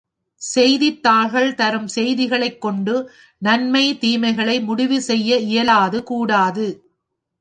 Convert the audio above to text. செய்தித் தாள்கள் தரும் செய்திக்ளைக் கொண்டு நன்மை, தீமைகளை முடிவு செய்ய இயலாது கூடாது.